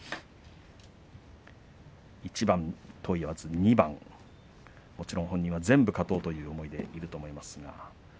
一番と言わず二番もちろん本人は、全部勝とうという思いでいると思います。